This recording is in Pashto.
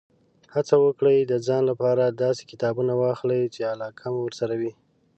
هڅه وکړئ، د ځان لپاره داسې کتابونه واخلئ، چې علاقه مو ورسره وي.